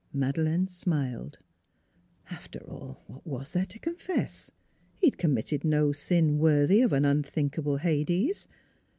... Madeleine smiled. ... After all, what was there to confess? He had committed no sin worthy of an unthinkable Hades.